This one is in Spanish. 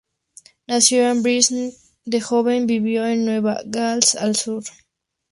Nacido en Brisbane, de joven vivió en Nueva Gales del Sur.